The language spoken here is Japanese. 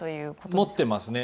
持ってますね。